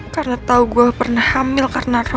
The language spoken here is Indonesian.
karena tau gue pernah hamil karena roy